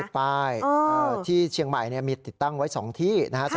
ป้ายที่เชียงใหม่มีติดตั้งไว้๒ที่นะครับ